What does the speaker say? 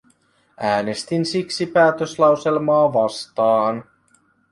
Äänestin siksi päätöslauselmaa vastaan.